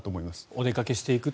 お出かけしていくと。